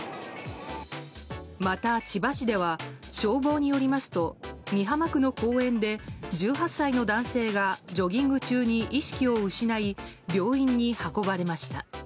また、千葉市では消防によりますと美浜区の公園で１８歳の男性がジョギング中に意識を失い病院に運ばれました。